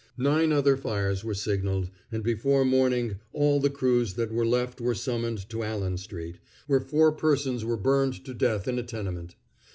Nine other fires were signaled, and before morning all the crews that were left were summoned to Allen street, where four persons were burned to death in a tenement.